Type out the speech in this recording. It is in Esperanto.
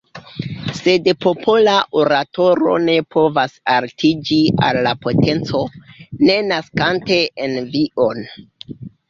Sed popola oratoro ne povas altiĝi al la potenco, ne naskante envion.